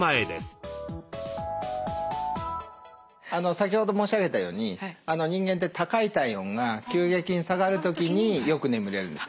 先ほど申し上げたように人間って高い体温が急激に下がる時によく眠れるんですね。